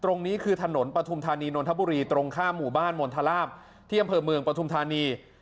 ตรงนี้คือถนนปฐุมธานีนนทบุรีตรงข้ามหมู่บ้านมณฑลาบที่อำเภอเมืองปฐุมธานี